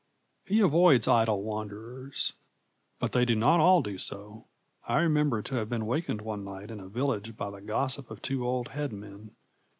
He avoids idle wanderers. But they do not all do so. I remember to have been wakened one night in a village by the gossip of two old headmen.